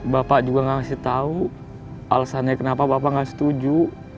bapak juga ngasih tahu alasannya kenapa bapak nggak setuju